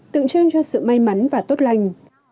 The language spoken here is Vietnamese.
tượng trưng cho sự may mắn và tốt lành